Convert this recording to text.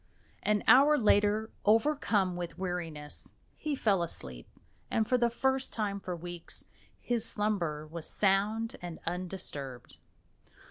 An hour later, overcome with weariness, he fell asleep, and for the first time for weeks his slumber was sound and undisturbed.